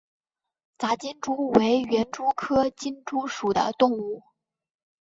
杂金蛛为园蛛科金蛛属的动物。